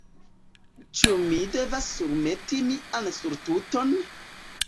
Ĉu mi devas surmeti mian surtuton?